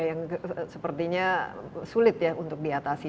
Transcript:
yang sepertinya sulit ya untuk diatasi